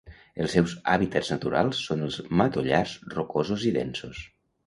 Els seus hàbitats naturals són els matollars rocosos i densos.